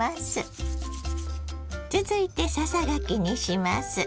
続いてささがきにします。